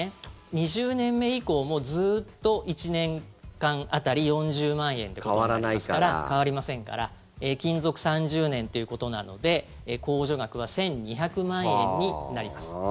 ２０年目以降もずっと１年間当たり４０万円ということになりますから変わりませんから勤続３０年ということなので控除額は１２００万円になります。